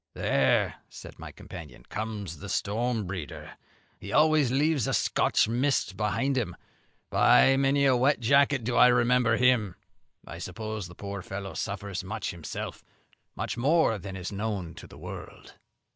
"There," said my companion, "comes the storm breeder; he always leaves a Scotch mist behind him. By many a wet jacket do I remember him. I suppose the poor fellow suffers much himself, much more than is known to the world."